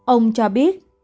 ông cho biết